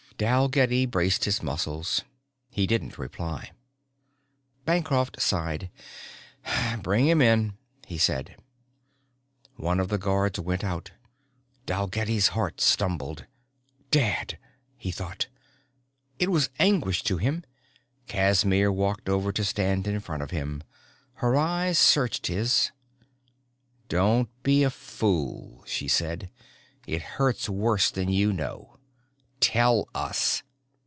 Dalgetty braced his muscles. He didn't reply. Bancroft sighed. "Bring him in," he said. One of the guards went out. Dalgetty's heart stumbled. Dad, he thought. It was anguish in him. Casimir walked over to stand in front of him. Her eyes searched his. "Don't be a fool," she said. "It hurts worse than you know. Tell us."